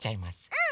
うん！